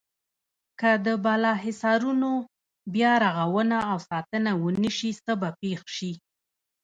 که د بالا حصارونو بیا رغونه او ساتنه ونشي څه به پېښ شي.